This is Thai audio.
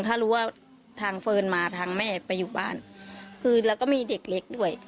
ถ้ารู้ว่าทางเฟิร์นมาทางแม่ไปอยู่บ้านคือแล้วก็มีเด็กเล็กด้วย